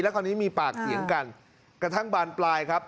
แล้วก็อันนี้มีปากเหยียงกันกระทั่งบานปลายครับ